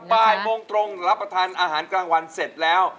บ่ายโมงตรงรับประทานอาหารกลางวันเสร็จแล้ว